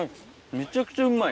めちゃくちゃうまい。